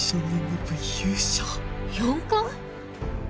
４冠！？